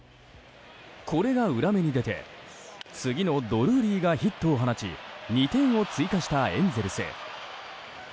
これが裏目に出て次のドルーリーがヒットを放ち２点を追加したエンゼルス。